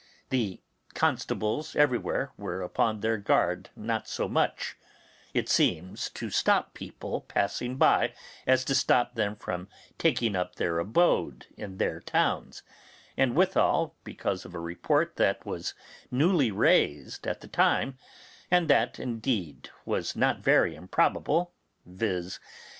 The constables everywhere were upon their guard not so much, It seems, to stop people passing by as to stop them from taking up their abode in their towns, and withal because of a report that was newly raised at that time: and that, indeed, was not very improbable, viz.